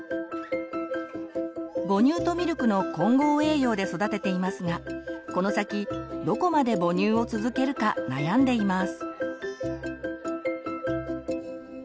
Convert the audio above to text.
母乳とミルクの混合栄養で育てていますがこの先どこまで母乳を続けるか悩んでいます。